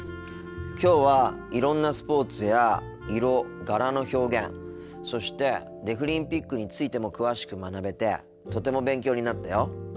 きょうはいろんなスポーツや色柄の表現そしてデフリンピックについても詳しく学べてとても勉強になったよ。